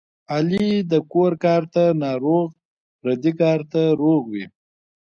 علي د کور کار ته ناروغ پردي کار ته روغ وي.